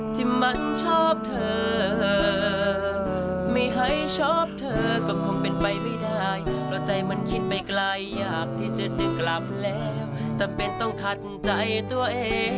จำเป็นต้องขัดใจตัวเองขัดใจตัวเอง